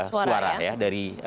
suara ya dari